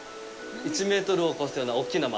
１メートルを超すような大きな豆。